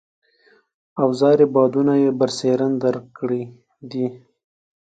اوزاري بعدونه یې برسېرن درک کړي دي.